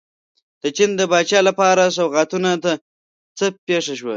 د چین د پاچا لپاره سوغاتونو ته څه پېښه شوه.